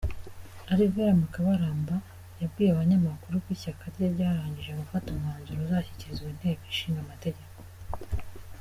Alvera Mukabaramba, yabwiye abanyamakuru ko ishyaka rye ryarangije gufata umwanzuro uzashyikirizwa Inteko Ishinga Amategeko.